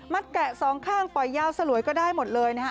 แกะสองข้างปล่อยยาวสลวยก็ได้หมดเลยนะฮะ